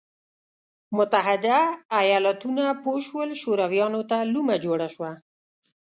متحده ایالتونه پوه شول شورویانو ته لومه جوړه شوه.